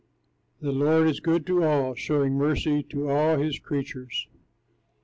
The Lord is good to all, Showing mercy to all his creatures.